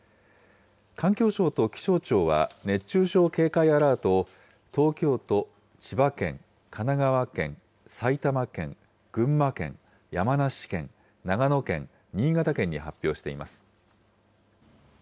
環境省と気象庁は、熱中症警戒アラートを東京都、千葉県、神奈川県、埼玉県、群馬県、山梨県、長野県、新潟県に発表しています。